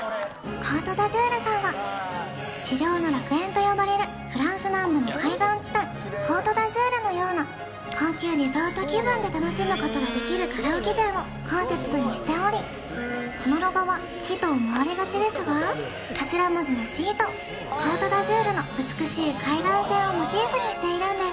コート・ダジュールさんは地上の楽園と呼ばれるフランス南部の海岸地帯コート・ダジュールのような高級リゾート気分で楽しむことができるカラオケ店をコンセプトにしておりこのロゴは月と思われがちですが頭文字の「Ｃ」とコート・ダジュールの美しい海岸線をモチーフにしているんです